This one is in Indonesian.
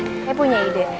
saya punya ide